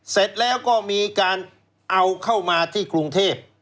เสร็จแล้วก็มีการเอาเข้ามาที่กรุงเทพ